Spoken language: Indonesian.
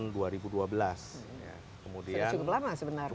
sudah cukup lama sebenarnya